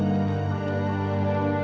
mama gak mau berhenti